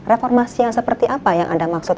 reformasi yang seperti apa yang anda maksud